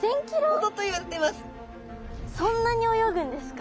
そんなに泳ぐんですか？